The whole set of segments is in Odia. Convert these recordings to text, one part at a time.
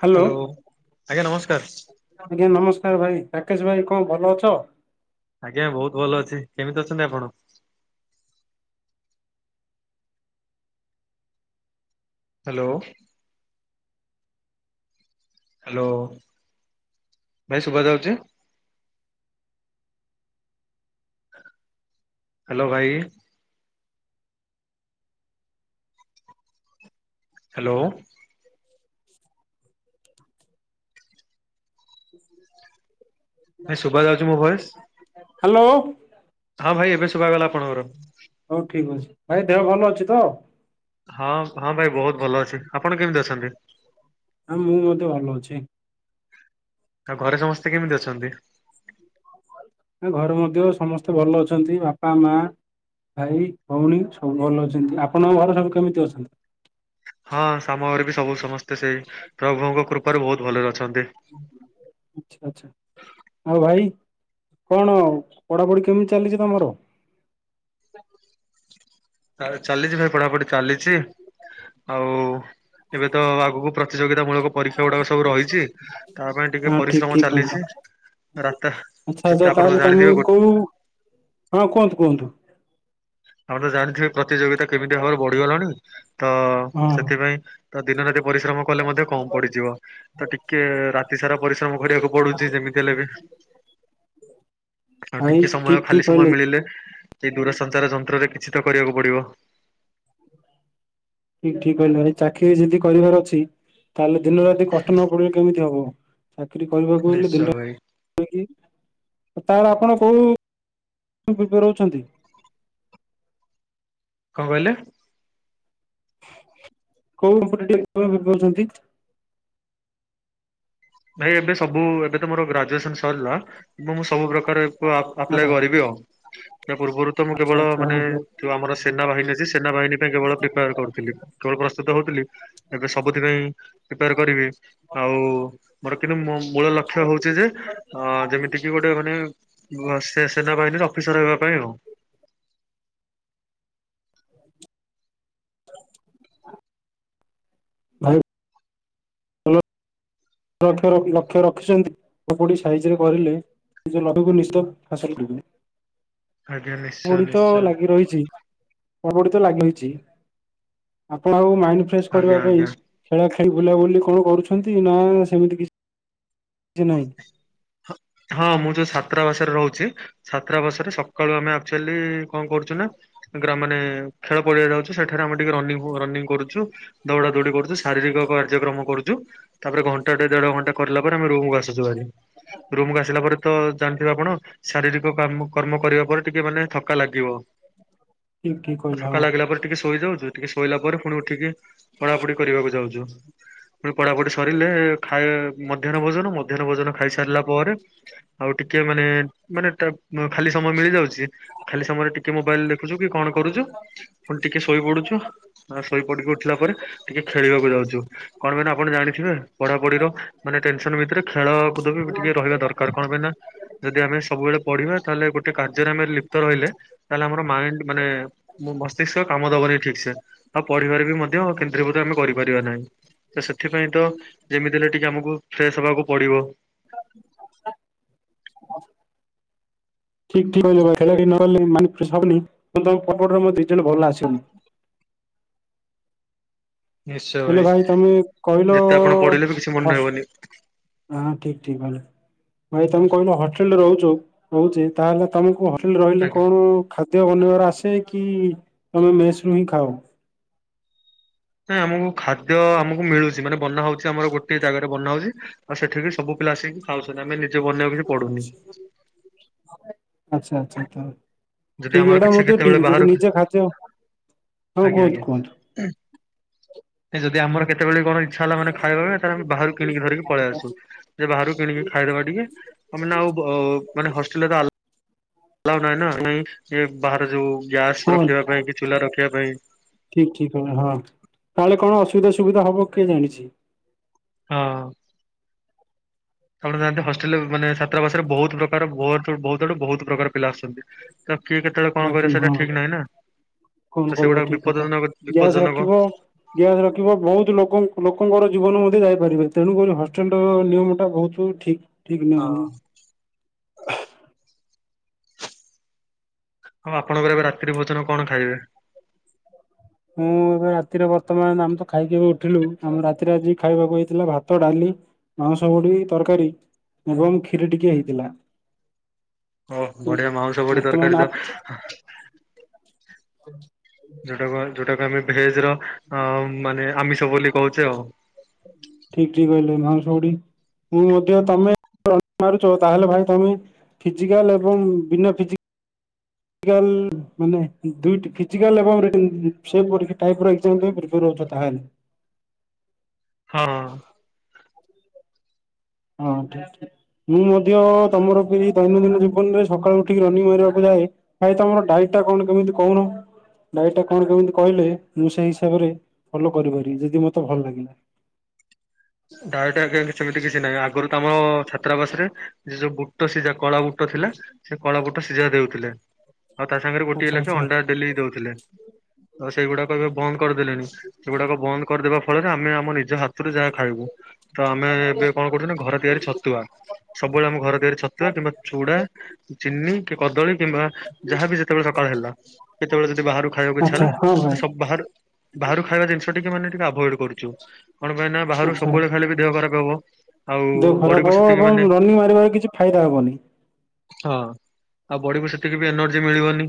ହ୍ୟାଲୋ ଆଜ୍ଞା ନମସ୍କାର। ଆଜ୍ଞା ନମସ୍ ଏ ଭାଇ ରାକେଶ ଭାଇ କଣ୍ ଭଲ ଅଛ? ଆଜ୍ଞା ବହୁତ ଭଲ ଅଛି କେମିତି ଅଛନ୍ତି ଆପଣ? ହ୍ୟାଲୋ ହ୍ୟାଲୋ ଭାଇ ସୁଭା ଯାଉଚି? ହ୍ୟାଲୋ ଭାଇ ହ୍ୟାଲୋ ଭାଇ ଶୁଭା ଯାଉଛି ମୋ ଭଏସ୍ ହ୍ୟାଲୋ ହଁ ଭାଇ ଏବେ ଶୁଭାଗଲା ଆପଣଙ୍କର ହଉ ଠିକ ଅଛି ଭାଇ ଦେହ ଭଲ ଅଛି ତ? ହଁ ହଁ ଭାଇ ବହୁତ ଭଲ ଅଛି ଆପଣ କେମିତି ଅଛନ୍ତି? ହଁ ମୁଁ ମଧ୍ୟ୍ୟ ଭଲ ଅଛି। ଆଉ ଘରେ ସମସ୍ତେ କେମିତି ଅଛନ୍ତି? ଘରେ ମଧ୍ୟ ସମସ୍ତେ ଭଲ ଅଛନ୍ତି ବାପା ମା ଭାଇ ଭଉଣୀ ସବୁ ଭଲ ଅଛନ୍ତି ଆପଣଙ୍କ ଘରେ ସବୁ କେମିତି ଅଛନ୍ତି? ହଁ ସମୟରେ ବି ସବୁ ସମସ୍ତେ ସେଇ ପ୍ରଭୁଙ୍କ କୃପାରୁ ବହୁତ ଭଲ ରେ ଅ ଆଚ୍ଛା ଆଚ୍ଛା ଆଉ ଭାଇ କଣ ପଢାପଢି କେମିତି ଚାଲିଚି ତୋମର? ଚାଳ ଚାଲିଚି ଭାଇ ପଢାପଢି ଚାଲିଛି। ଆଉ ଏବେ ତ ଆଗକୁ ପ୍ରତିଯୋଗିତା ମୂଳକ ପରୀକ୍ଷା ଗୁଡାକ ସବୁ ରହିଚି ତା ପାଇଁ ଟିକେ ହଁ ଠିକ ପରିଶ୍ରମ ଠିକ କହିଲ ଚାଲିଛି। ରାତା ଆଚ୍ଛା ଆଚ୍ଛା ଯେତେ ଆପଣ ତାହେଲେ ତ ତମେ ଜାଣିଥିବେ ଗୋ କୋଉ ହଁ କୁହନ୍ତୁ କୁହନ୍ତୁ। ଆଉ ତ ଜାଣିଥିବେ ପ୍ରତିଯୋଗିତା କେମିତି ଭାବରେ ବଢିଗଲାଣି ତ ହଁ ସେଥିପାଇଁ ତ ଦିନ ରାତି ପରିଶ୍ରମ କଲେ ମଧ୍ୟ କମ ପଡିଯିବ। ତ ଟିକେ ରାତି ସାରା ପରିଶ୍ରମ କରିବାକୁ ପଡୁଛି ଯେମିତି ହେଲେ ବି। ଆଉ ଭାଇ ଟିକେ ଠିକ ସମୟ ଠିକ ଖାଲି କହିଲେ। ସମୟ ମିଳିଲେ ସେ ଦୂର ସଞ୍ଚାର ଯନ ନ୍ତ୍ର ରେ କିଛି ତ କରିବାକୁ ପଡିବ। ଠିକ ଠିକ କହିଲେ ଭଇ ଚାକିରି ଯିଦି କରିବାର ଅଛି ତାହେଲେ ଦିନ ରାତି କଷ୍ଟ ନ ପଡିଲେ କେମିତି ହବ? ଚାକିରି କରିବାକୁ ହେଲେ ନିଶ୍ଚୟ ଦିନ ଭାଇ [inaudible] କି ଓ ତାହେଳେ ଆପଣ କୋଉ ପୁ-ପୁ-ରହୁଛନ୍ତି? କଣ କହିଲେ? କୋଉ କମ୍ଫଟେଟିଏ କଣ କରୁଛନ୍ତି। ଭାଇ ଏବେ ସବୁ ଏବେ ତ ମୋର ଗ୍ରାଜୁଏସନ୍ ସରିଲା। ମୁଁ, ମୁଁ ସବୁ ପ୍ରକାରେ ପ-ଆପ- ଆପ୍ଲାଏ ଆଚ୍ଛା କରିବି ଆଉ। ତା ପୂର୍ବରୁ ତ ମୁଁ ଆଚ୍ଛା କେବଳ ଆଚ୍ଛା ମାନେ ଓହୋ ଯୋଉ ଆମର ସେନାବାହିନୀ ଅଛି। ସେନାବାହିନୀ ପାଇଁ କେବଳ ପ୍ରିପେୟାର୍ କରୁଥିଲି। କେବଳ ପ୍ରସ୍ତୁତ ହଉଥିଲି ଏବେ ସବୁଥିପାଇଁ ପ୍ରିପେୟାର୍ କରିବି। ଆଉ ମୋର କିନ୍ତୁ ମୂ- ମୂଳ ଲକ୍ଷ୍ୟ ହଉଛି ଯେ ଅ, ଯେମିତି କିି ଗୋଟେ ମାନେ ଘସେ ସେନାବାହିନୀ ଏ ସେ ଅଫିସର ହେବା ପାଇଁ ଆଉ। [inaudible] ଭାଇ ଲ ରକ୍ଷ ରଖ, ଲକ୍ଷ ରଖିଛନ୍ତି ବା କୋଉଟି ସାଇଜରେ କରିଲେ ନିଜ ଲବେକୁ ନିିସ୍ତ ହାସଲ କରିବେ। ଆଜ୍ଞା ନିଶ୍ଚୟ ବଡି ତ ନିଶ୍ଚୟ। ଲାଗି ରହିଛି। ପ-ବଡି ତ ଲାଗିରହିଛି ଆପଣ ଆଉ ମାଇଣ୍ଡ ଫ୍ରେଶ୍ କରିବା ଆଜ୍ଞା ପାଇଁ ଆଜ୍ଞା। ଖେଳ ଖେ ସେ ବୁଲାବୁଲି କଣ କରୁଛନ୍ତି ନା ସେମିତି କିଛି ନାହିଁ? ହଁ, ହଁ, ମୁଁ ଯୋଉ ଛାତ୍ରାବାସରେ ରହୁଛି। ଛାତ୍ରାବାସରେ ସକାଳୁ ଆମେ ଆକ୍ଚୁଲି କଣ କ କରୁଚୁ ନା ଗ୍ରା ମାନେ ଖେଳ ପଡିଆ ଯାଉଛୁ ସେଠାରେ ଆମେ ଟିକେ ରନିଙ୍ଗ ହୋ ରନିଙ୍ଗ କରୁଛୁ। ଦୌଡା ଦୌଡ଼ି କରୁଚୁ। ଶାରୀରିକ କାର୍ଯ୍ୟକ୍ରମ କରୁଚୁ। ତାପରେ ଘଣ୍ଟା ଟେ ଦେଢ ଘଣ୍ଟା କରିଲା ପରେ ଆମେ ରୁମ୍ କୁ ଆସ ଆସୁ ଭାରି। ରୁମ୍ କୁ ଆସିଲା ପରେ ତ ଜାଣିଥିବେ ଆପଣ ଶାରୀରିକ କାମ କର୍ମ କରିବା ପରେ ଟିକେ ମାନେ ଥକା ଲାଗିବ। ଠିକ ଠିକ ଓ କହିଲ ଥକା ହଁ। ଲାଗିଲା ପରେ ଟିକେ ଶୋଇଯାଉ ଯେ ଟିକେ ଶୋଇଲା ପରେ ପୁଣି ଉଠିକି ପଢାପଢି କରିବାକୁ ଯାଉଚୁ। ପୁଣି ପଢାପଢି ସରିଲେ ଖାଏ ମଧ୍ୟାହ୍ନ ଭୋଜନ। ମଧ୍ୟାହ୍ନ ଭୋଜନ ଖାଇସାରିଲା ପରେ ଆଉ ଟିକେ ମାନେ ମାନେ ଟା ଅଁ, ଖାଲି ସମୟ ମିଳିଯାଉ ଚି, ଖାଲି ସମୟରେ ଟିକେ ମୋବାଇଲ୍ ଦେଖୁଚୁ କି କଣ କରୁଚୁ। ପୁଣି ଟିକେ ଶୋଇ ପଡୁଛୁ। ଆ, ଶୋଇପଡିକି ଉଠିଲା ପରେ ଟିକେ ଖେଳିବାକୁ ଯାଉଚୁ। କଣ ପାଇଁ ନା ଆପଣ ଜାଣିଥିବେ ପଢାପଢିର ମାନେ ଏ ଟେନସନ ଭିତରେ ଖେଳ କୁଦ ବି ଟିକେ ରହିବା ଦରକାର କଣ ପାଇଁ ନା ଯଦି ଆମେ ସବୁବେଳେ ପଢିବା ତାହେଲେ ଗୋଟେ କାର୍ଯ୍ୟରେ ଆମେ ଲିପ୍ତ ରହିଲେ। ତାହେଲେ ଆମର ମାଇଣ୍ଡ ମାନେ ମୁଁ ମସ୍ତିଷ୍କ କାମ ଦବନି ଠିକ ସେ। ଆଉ ପଢିବାରେ ବି ମଧ୍ୟ କେନ୍ଦ୍ରୀଭୂତ ଆମେ କରିପାରିବା ନାହିଁ। ତ ସେଥିପାଇଁ ତ ଯେମିତି ହେଲେ ଟିକେ ଆମକୁ ଫ୍ରେସ୍ ହବାକୁ ପଡିବ। ହଁ। [inaudible] ଠିକ ଠିକ କହିଲ ଭାଇ। ଖେଳ ଟି ନ କଲେ ମାଇଣ୍ଡ ଫ୍ରେସ୍ ହବନି। ତେଣୁ ତୋମ ପଟ ପଟର ମୋ ଡିଟେଲ ଭଲ ଆସେନି। [inaudible] ହେଲେ ଭାଇ ତୋମେ କହିଲ ଯେତେ ଆପଣ ପଢିଲେ ବି କିଛି ମନେ ହସ୍, ରହିବନି ହଁ ଠିକ ଠିକ ଭାବିଲ। ଭାଇ ତୋମେ କହିଲ ହଟେଲ୍ ରେ ରହୁଛୁ ରହୁଚି। ତାହେଲେ ତୋମେ କୁହ ଟିଲ ରହିଲେ ଆଜ୍ଞା। କଣ ଖାଦ୍ୟ ବନେଇବାର ଆସେ କି ତେ ମେସ୍ ରୁ ହି ଖାଅ? ନାଇଁ ଆମକୁ ଖାଦ୍ୟ ଆମକୁ ମିଳୁଛି ମାନେ ବନା ହଉଛି ଆମର ଗୋଟେ ଜାଗାରେ ବନା ହଉଛି ଆଉ ସେଠିକି ସବୁ ପିଲା ଆସିକି ଖାଉଛନ୍ତି ଆମେ ନିଜେ ବନେଇବାକୁ କିଛି ପଡୁନି। ଆଚ୍ଛା ଆଚ୍ଛା ତ ଯଦି ଠିକ୍ ଆମର ଏଟା କିଛି ମତେ କେତେବେଳେ ଠିକ୍ ବାହାରୁ ଯଦି ନିଜେ ଖାଦ୍ୟ ହଁ ଆଜ୍ଞା କୁହନ୍ତୁ ଆଜ୍ଞା କୁହନ୍ତୁ ଯଦି ଆମର କେତେବେଳେ କଣ ଇଚ୍ଛା ହେଲା ମାନେ ଖାଇବା ପାଇଁ ତାହାଲେ ଆମେ ବାହାରୁ କିଣି ଧରିକି ପଳେଇ ଆସୁ ବାହାରୁ କିଣିକି ଖାଇଦବା ଟିକେ ମାନେ ନେ ଆଉ ମାନେ ହଷ୍ଟେଲ ର ଆଲା ଏଲାଓ ନାହିଁ ନା ବାହାର ଯୋଉ ଗ୍ୟାସ ହଁ ରଖିବା ପାଇଁ କି ଚୁଲା ରଖିବା ପାଇଁ ଠିକ୍ ଠିକ୍ ହଁ ତାହାଲେ କଣ ଅସୁବିଧା ସୁବିଧା ହବ କିଏ ଜାଣିଛି? ହଁ। ଆପଣ ଯାଆନ୍ତି ହଷ୍ଟେଲରେ ମାନେ ସାତ୍ରବାସରେ ବହୁତ ପ୍ରକାର ବହୁତୁ ଆଡୁ ବହୁତ ପ୍ରକାର ପିଲା ଆସନ୍ତି କିଏ କେତେବେଳେ କଣ କରେ ସେଟା ହଁ। ଠିକ୍ ନାହିଁ ନା। ତ କଣ କରିବ ସେଗୁଡାକ ଠିକ୍ କଥା ବିପଦଜନକ ଗ୍ୟାସ ବିପଦଜନକ। ରଖିବ ଗ୍ୟାସ ରଖିବ ବହୁତ ଲୋକ ଲୋକଙ୍କର ଜୀବନ ମଧ୍ୟ ଯାଇପାରିବନି ତେଣୁକରି ହଷ୍ଟେଲ ର ନିୟମ ଟା ବହୁତ ଠିକ୍। ହଁ। [unintelligible] ଆଉ ଆପଣଙ୍କର ଏବେ ରାତିରେ ଭୋଜନ କଣ ଖାଇବେ? ମୁଁ ଏବେ ରାତିରେ ବର୍ତ୍ତମାନ ଆମେ ତ ଖାଇକି ବି ଉଠିଲୁ ଆମ ରାତିରେ ଆଜି ଖାଇବାକୁ ହେଇଥିଲା ଭାତ ଡାଲି ମାଉଁସ ବଢି ତରକାରୀ ଏବଂ କ୍ଷୀର ଟିକିଏ ହେଇଥିଲା। ଓ ବଢିଆ ମାଉଁସ ବଢି ବର୍ତ୍ତମାନ ତରକାରୀ ତ ହଁ ଯୋଉଟାକୁ ଯୋଉଟାକୁ ଆମେ ଭେଜ୍ ର ମାନେ ଆମିଷ ବୋଲି କହୁଛେ ଆଉ। ଠିକ୍ ଠିକ୍ କହିଲେ ମାଉଁସ ମୁଢ଼ି ମୁ ମଧ୍ୟ ତମେ ମାରୁଛ ତାହାଲେ ଭାଇ ତମେ ଫିଜିକାଲ ଏବଂ ବିନା ଫିଜିକା ଫିଜିକାଲ ମାନେ ଦୁଇଟି ଫିଜିକାଲ ଏବଂ ସେ ପରିକା ଟାୟୀପ୍ ର ଏକ୍ଜାମ କରି ପାରିବ। ଉଠ ତାହାଲେ। ହଁ। ହଁ ଠିକ୍ ଠିକ୍। ମୁଁ ମଧ୍ୟ ତମର କି ଦୈନନ୍ଦିନ ଜୀବନରେ ସକାଳୁ ଉଠିକି ରନିଂ ମାରିବାକୁ ଯାଏ କାଇଁ ତମର ଡାଇଟ୍ ଟା କଣ କେମିତି କହୁନ? ଡାଇଟ୍ ଟା କଣ କେମିତି କହିଲେ ମୁଁ ସେଇ ହିସାବରେ ଫୋଲା କରିପାରିବି ଯଦି ମତେ ଭଲ ଲାଗିଲା। [unintelligible] ଡାଇଟ୍ ଆଜ୍ଞା ସେମିତି କିଛି ନାହିଁ ଆଗରୁ ତ ଆମର ଛାତ୍ରାବାସରେ ଯୋଉ ବୁଟ ସିଝା କଳା ବୁଟ ଥିଲା ସେ କଳା ବୁଟ ସିଝା ଦେଉଥିଲେ। ଆଉ ତା ସାଙ୍ଗରେ ଗୋଟଏ ଆଚ୍ଛା ଲାଖେ ଆଚ୍ଛା ଅଣ୍ଡା ଡେଲି ଦଉଥିଲେ ଆଉ ସେଇଗୁଡାକ ଏବେ ବନ୍ଦ କରିଦେଲେଣି ସେଗୁଡାକ ବନ୍ଦ କରିଦେବା ଫଳରେ ଆମେ ଆମ ନିଜ ହାତରୁ ଯାହା ଖାଇବୁ ତ ଆମେ ଏବେ କଣ କରୁଛୁ ଘରେ ତିଆରି ଛତୁଆ ସବୁବେଳେ ଆମେ ଘର ତିଆରି ଛତୁଆ କିମ୍ବା ଚୁଡା, ଚିନି, କି କଦଳୀ କିମ୍ବା ଯାହାବି ଯେତେବେଳେ ସକାଳ ହେଲା କେତେବେଳେ ଯଦି ବାହାରକୁ ଖାଇବାକୁ ଇଚ୍ଛା ଆଚ୍ଛା ହେଲା ହଁ ଭାଇ ସବୁ ବାହାରୁ ବାହାରୁ ଖାଇବା ଜିନିଷ ଟିକେ ମାନେ ଟିକେ ଆଭଏଡ କରୁଛୁ କଣ ପାଇଁ ନା ବାହାରୁ ଆଚ୍ଛା। ସବୁବେଳେ ଖାଇଲେ ବି ଦେହ ଖରାପ୍ ହବ। ଆଉ ଦେହ ବଡିକୁ ଖରାପ ହବ ସେତିକି ଏବଂ ମାନେ ରନିଂ ମାରିବାର କିଛି ଫାଇଦା ହବନି। ହଁ ଆଉ ବଡିକୁ ସେତିକି ବି ଏନର୍ଜି ମିଳିବନି।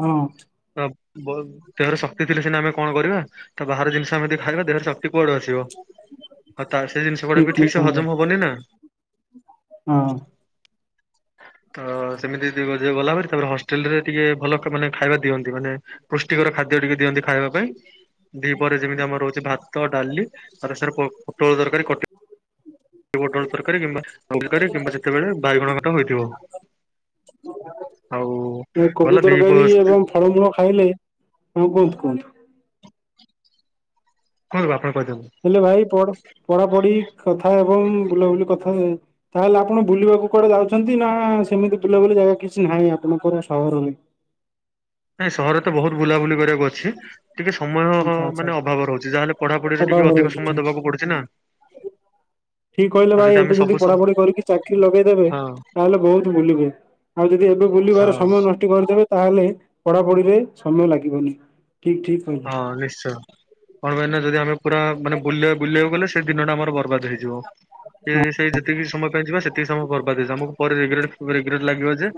ହଁ। ବହୁତୁ ଦେହର ଶକ୍ତି ଥିଲେ ସିନା ଆମେ କଣ କରିବା ତ ବାହାର ଜିନିଷ ଆମେ ଯଦି ଖାଇବା ଦେହର ଶକ୍ତି କୁଆଡୁ ଆସିବ। ହଉ ତାର ସେ ଜିନିଷଗୁଡା ଠିକ ବି ଠିକ ଠିକ୍ ସେ କହିଲେ ହଜମ ହବନି ନା। ହଁ। [unintelligible] ତ ସେମିତି ଯଦି ଗଲା ପରେ ତାପରେ ହଷ୍ଟେଲ ରେ ଟିକେ ଭଲ ମାନେ ଖାଇବା ଦିଅନ୍ତି ମାନେ ପୁଷ୍ଟିକର ଖାଦ୍ୟ ଟିକେ ଦିଅନ୍ତି ଖାଇବା ପାଇଁ ଦି ପରେ ଯେମିତି ଆମର ରହୁଛି ଭାତ ଡାଲି ସରି ସାର୍ ପୋଟଳ ତରକାରୀ କଟା। ପୋଟଳ ତରକାରୀ କିମ୍ବା କିମ୍ବା ଯେତେବେଳେ ବାଇଗଣ ଘାଣ୍ଟ ହୋଇଥିବ। ଆଉ ଗଲା କୋବି ଦି ତରକାରୀ ଏବଂ କୁହନ୍ତୁ ଫଳମୂଳ ଖାଇଲେ। ହଁ କୁହନ୍ତୁ କୁହନ୍ତୁ। କୁଣନ୍ତୁ ଆପଣ। କହିଦିଅନ୍ତୁ ହେଲେ ଭାଇ ପଢ ପଢାପଢି କଥା ହେବ। ଏବଂ ବୁଲାବୁଲି କଥାଏ ତାହେଲେ ଆପଣ ବୁଲିବାକୁ କୁଆଡେ ଯାଉଛନ୍ତି ନା ସେମିତି ବୁଲାବୁଲି ଜାଗା କିଛି ନାହିଁ। ନାଇଁ ଆପଣ ଙ୍କ ସହରହୋଇ। ନାଇଁ ସହର ତ ବହୁତ ବୁଲାବୁଲି କରିବାକୁ ଅଛି। ଟିକେ ସମୟ ଆଚ୍ଛା ଆଚ୍ଛା ମାନେ ଅଭାବ ରହୁଛି ଯାହାେଲେ ପଢାପଢିରେ ଅଭାବ ଟିକେ ଅଧିକ ରହୁଛି ସମୟ ଠିକ ଦବାକୁ ପଡୁଛି ନା। [inaudible] ଠିକ କହିଲେ ଆଉ ଭାଇ ଆମେ ଏବେ ଯଦି ସବୁ ସମ ପଢାପଢି କରିକି ଚାକିରି ଲଗେଇଦେବେ ହଁ ତାହେଲେ ବହୁତ ବୁଲିବେ। ଆଉ ଯଦି ଏବେ ବୁଲିବାର ହଁ ସମୟ ନଷ୍ଟ କରିଦେବେ ତାହେଲେ ପଢାପଢିରେ ସମୟ ଲାଗିବନି। ଠିକ ଠିକ କହିଲେ ହଁ ନିଶ୍ଚୟ କଣ ପାଇଁନା ଯଦି ଆମେ ପୁରା ମାନେ ବୁଲିବା ବୁଲିବାକୁ ଗଲେ ସେ ଦିନଟା ଆମର ବର୍ବାଦ ହେଇଯିବ। ସେ ସେଇ ଯେତିକି ସମୟ ପାଇଁ ଯିବା ସେତିକି ସମୟ ବରର୍ବାଦ ହେଇଯିବ ଆମକୁ ପରେ ରିଗ୍ରେଟ ଲାଗିବ ଯେ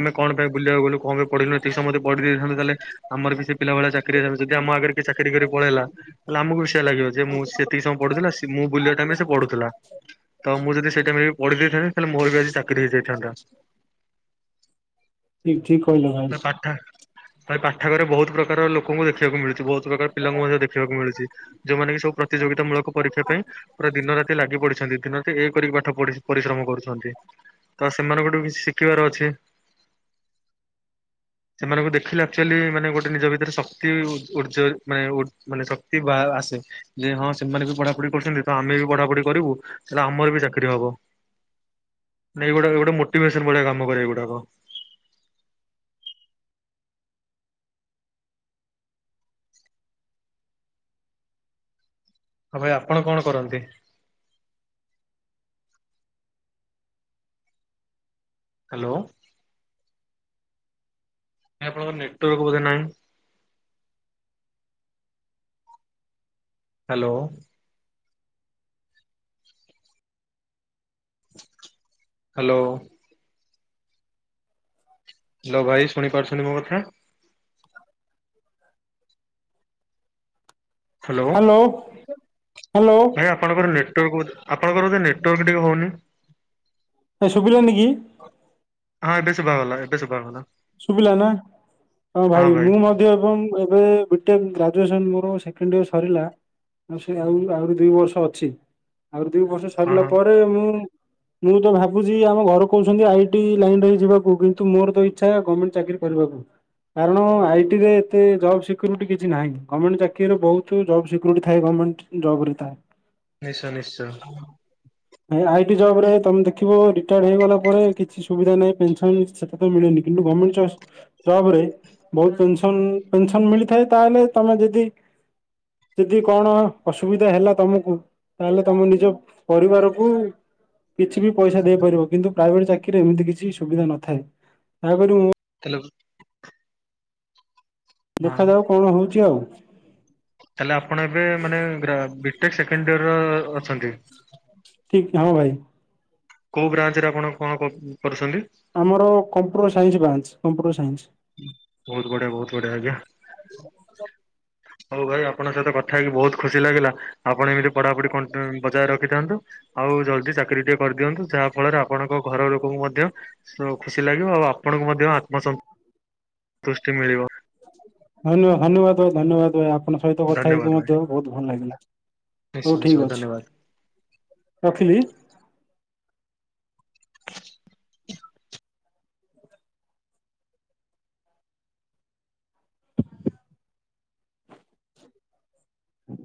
ଆମେ କଣ ପାଇଁ ବୁଲିବାକୁ ଗଲୁ କଣ ପଢିଲୁନି ଏତିକି ସମୟେ ପଢିଦେଇଥାନ୍ତେ ତାହେଲେ ଆମର ବି ସେ ପିଲା ଭଳିଆ ଚାକିରି। ହେଇଥାନ୍ତା ଯଦି ଆମ ଆଗରେ କି ଚାକିରି କରି ପଳେଇଲା ତାଲେ ଆମକୁ ବି ସେୟା ଲାଗିବ ଯେ ମୁଁ ସେତିକି ସମୟ ପଢୁଥିଲା ନା ମୁଁ ବୁଲିବା ଟାଇମ୍ ରେ ସେ ପଢୁ ପଢୁଥିଲା। ତ ମୁଁ ଯଦି ସେଇଟାଇମ ରେ ବି ପଢି ଦେଇଥାନ୍ତି ତାହେଲେ ମୋର ବି ଆଜି ଚାକିରି ହେଇଯାଇଥାନ୍ତା। ଠିକ ଠିକ କହିଲ ଭାଇ। ତ ପାଠାଗାର ରେ ବହୁତ ପ୍ରକାର ଲୋକଙ୍କୁ ଦେଖିବାକୁ ମିଳୁଛି ବହୁତ ପ୍ରକାର ପିଲାଙ୍କୁ ମଧ୍ୟ ଦେଖିବାକୁ ମିଳୁଛି। ଯୋଉମାନେବି ସବୁ ପ୍ରତିଯୋଗିତା ମୂଳକ ପରୀକ୍ଷା ପାଇଁ ପାଇଁ ଦିନ ରାତି ଲାଗି ପଡିଛି। ଅଛନ୍ତି ଦିନରାତି ଏକ କରିକି ପାଠ ପଢି ପରିଶ୍ରମ କରୁଛନ୍ତି ତ ସେମାନଙ୍କଠୁ କିଛି ଶିଖିବାର ଅଛି। ସେମାନଙ୍କୁ ଦେଖିଲେ ଆକ୍ଚୁଆଲି ମାନେ ଗୋଟେ ନିଜ ଭିତରେ ଶ ଉ ମାନେ ମାନେ ଶକ୍ତି ବା ଆସେ ଯେ ହଁ ସେମାନେ ବି ପଢାପଢି କରୁଛନ୍ତି ତ ଆମେ ପଢାପଢି କରିବୁ ତାହାଲେ ଆମର ବି ଚାକିରି ହବ। ନ ଏଗୁଡା ଏଗୁଡା ଗୋଟେ ମୋଟିଭେସନ ଭଳିଆ କାମ କରେ ଏଗୁଡାକ। ହଁ ଭାଇ ଆପଣ କଣ କରନ୍ତି? ହ୍ୟାଲୋ। ଆପଣଙ୍କ ନେଟୱର୍କ ବୋଧେ ନାହିଁ। ହ୍ୟାଲୋ। ହ୍ୟାଲୋ। ହ୍ୟାଲୋ ଭାଇ ଶୁଣିପାରୁଛନ୍ତି ମୋ କଥା। ହ୍ୟାଲୋ। ହ୍ୟାଲୋ ଭାଇ ଆପଣଙ୍କର ନେଟୱାର୍କ ବୋଧେ ଆପଣଙ୍କର ବୋଧହୁଏ ନେଟୱାର୍କ ଟିକେ ହଉନି। ଏ ଶୁଭିଲାନି କି ହଁ ଏବେ ଶୁଭାଗଲା ଏବେ ଶୁଭାଗଲା। ଶୁଭିଲା ନା ହଁ ଭାଇ ମୁଁ ମଧ୍ୟ ଏବଂ ଏବେ ବିଟେକ୍ ଗ୍ରା ଜୁଏସନ ମୋର ସେକେଣ୍ଡ ଇୟର ସରିଲା ଆହୁରି ଦୁଇ ବର୍ଷ ଅଛି। ଆଉ ଦିଇ ବର୍ଷ ହଁ ସରିଲା ହଁ ପରେ ମୁଁ ମୁଁ ତ ଭାବୁଛି ଆମ ଘରୁ କହୁଛନ୍ତି ଆଇଟି ଲାଇନ ରେ ଯିବାକୁ କିନ୍ତୁ ମୋର ତ ଇଛା ଗରମେଣ୍ଟ ଚାକିରି କରିବାକୁ। କାରଣ ଆଇ ଟିରେ ଏତେ ଜବ୍ ସିକ୍ୟୁରିଟି କିଛି ନାହିଁ ଗରମେଣ୍ଟ ଚାକିରିରେ ବହୁତ ଜବ ସିକ୍ୟୁରିଟି ଥାଏ। ମେଣ୍ଟ ଜବରେ ତାହା। ନିଶ୍ଚୟ ନିଶ୍ଚୟ। ଆଇଟି ଜବ ରେ ତମେ ଦେଖିବ ରିଟାୟାର୍ ହେଇଗଲା ପରେ କିଛି ସୁବିଧା ନାହିଁ ପେନସନ ସେତେ ତ ମିଳୁନି। କିନ୍ତୁ ଗରମେଣ୍ଟ ଜବ ରେ ବହୁତ ପେନସନ। ପେନସନ ମିଳିଥାଏ ତାହେଲେ ତମେ ଯଦି ଯଦି କଣ ଅସୁବିଧା ହେଲା ତମକୁ ତାହେଲେ ତମ ନିଜ ପରିବାରକୁ କିଛି ବି ପଇସା ଦେଇ ପାରିବ କିନ୍ତୁ ପ୍ରାଇଭେଟ ଚାକିରିରେ ଏମିତି କିଛି ସୁବିଧା ନ ଥାଏ ଯାହାକ ମୁଁ ହେଲ୍ଲୋ। ଦେଖାଯାଉ କଣ ହଉଛି ଆଉ। ତାଲେ ଆପଣ ଏବେ ମାନେ ବିଟେ ସେକେଣ୍ଡ ଇୟର ର ଅଛନ୍ତି? ଠିକ ହଁ ଭାଇ। କୋଉ ବ୍ରାଞ୍ଚ ରେ ଆପଣ କଣ କରୁଛନ୍ତି? ଆମର computer science branch computer science. ବହୁତ ବଢିଆ ବହୁତ ବଢିଆ ଆଜ୍ଞା। ହଉ ଭାଇ ଆପଣଙ୍କ ସହିତ କଥା ହେଇକି ବହୁତ ଖୁସି ଲାଗିଲା। ଆପଣ ଏମିତି ପଢାପଢି ବଜାୟ ରଖିଥାନ୍ତୁ ଆଉ ଜଲଦି ଚାକିରି ଟିକେ କରିଦିଅନ୍ତୁ ଯାହା ଫଳରେ ଆପଣଙ୍କ ଘର ଲୋକଙ୍କୁ ମଧ୍ୟ ଖୁସି ଲାଗିବ ଆଉ ଆପଣ ମଧ୍ୟ ଆତ୍ମସନ୍ତ ଦୃଷ୍ଟି ମିଳିବ। ଧନ୍ୟବାଦ ଧନ୍ୟବାଦ ଭାଇ ଧନ୍ୟବାଦ ଭାଇ। ଆପଣଙ୍କ ସହିତ କଥା ଧନ୍ୟବାଦ ହେଇକି ଭାଇ ମଧ୍ୟ ବହୁତ ଭଲ ଲାଗିଲା ହଉ ନିଶ୍ଚୟ ନିଶ୍ଚୟ ଠିକ ଅଛି। ଧନ୍ୟବାଦ। ରଖିଲି। ହୁଁ